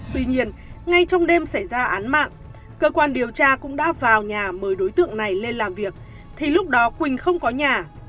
tuy nhiên ngay trong đêm xảy ra án mạng cơ quan điều tra cũng đã vào nhà mời đối tượng này lên làm việc thì lúc đó quỳnh không có nhà